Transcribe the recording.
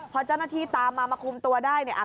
พอเจ้าหน้าที่ตามมามาคุมตัวได้เนี่ย